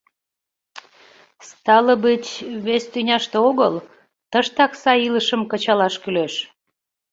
Стало быть, вес тӱняште огыл, тыштак сай илышым кычалаш кӱлеш...